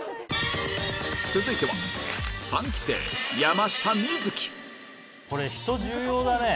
続いては３期生これ人が重要だね。